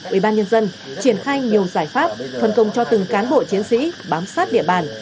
ubnd triển khai nhiều giải pháp phân công cho từng cán bộ chiến sĩ bám sát địa bàn